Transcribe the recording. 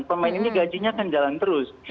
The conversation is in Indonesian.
pemain ini gajinya akan jalan terus